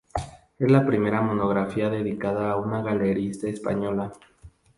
Es la primera monografía dedicada a una galerista española.